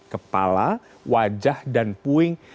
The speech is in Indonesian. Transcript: kepala wajah dan puing